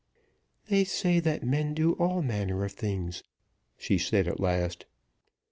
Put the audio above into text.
"They say that men do all manner of things," she said, at last.